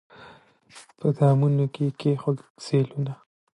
په دامونو کي یې کښېوتل سېلونه